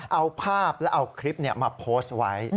เอาภาพแล้วเอาคลิปมาโพสต์ไว้